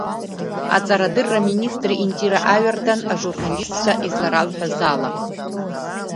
Аҵарадырра аминистр Индира Аҩардан ажурналистцәа изларалҳәаз ала.